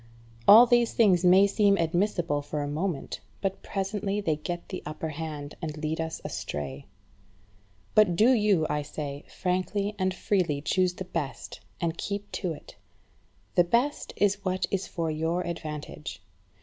All these things may seem admissible for a moment; but presently they get the upper hand, and lead us astray. But do you, I say, frankly and freely choose the best, and keep to it. The best is what is for your advantage.